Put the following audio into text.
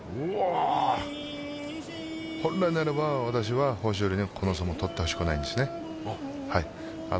本来であれば私は豊昇龍にこの相撲を取ってほしくないですね。